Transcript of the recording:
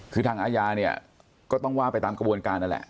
คือทางอาญาเนี่ยก็ต้องว่าไปตามกระบวนการนั่นแหละ